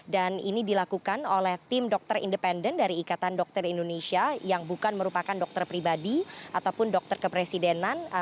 dan ini dilakukan oleh tim dokter independen dari ikatan dokter indonesia yang bukan merupakan dokter pribadi ataupun dokter kepresiden